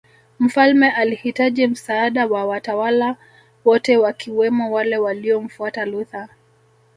Mfalme alihitaji msaada wa watawala wote wakiwemo wale waliomfuata Luther